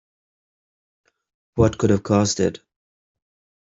What could have caused it?